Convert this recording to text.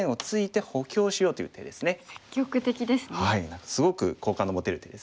何かすごく好感の持てる手ですね。